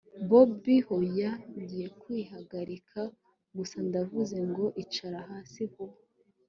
bobi hoya ngiye kwihagarika gusa! ndavuze ngo icara hasi vuba